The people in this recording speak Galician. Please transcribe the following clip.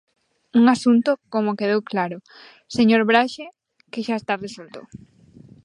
Un asunto, como quedou claro, señor Braxe, que xa está resolto.